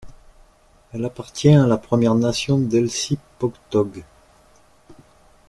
Elle appartient à la première nation d'Elsipogtog.